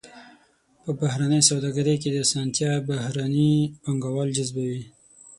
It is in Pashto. په بهرنۍ سوداګرۍ کې اسانتیا بهرني پانګوال جذبوي.